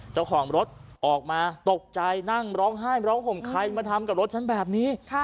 เจ้าของรถออกมาตกใจนั่งร้องไห้ร้องห่มใครมาทำกับรถฉันแบบนี้